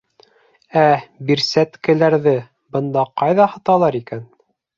Ә, бирсәткәләрҙе, бына ҡайҙа һаталар икән